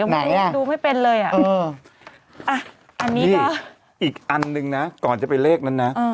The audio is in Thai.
ดูไม่เป็นเลยอ่ะอันนี้อีกอันนึงนะก่อนจะไปเลขนั้นนะ